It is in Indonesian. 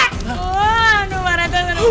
aduh pak rete